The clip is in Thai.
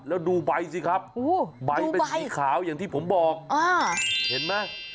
แล้วดูใบสิครับใบเป็นสีขาวอย่างที่ผมบอกเห็นไหม